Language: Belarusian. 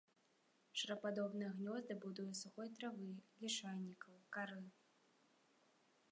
Шарападобныя гнёзды будуе з сухой травы, лішайнікаў, кары.